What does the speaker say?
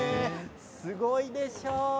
すごいでしょう？